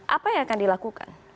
apa yang akan dilakukan